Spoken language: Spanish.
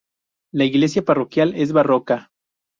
La iglesia parroquial es barroca.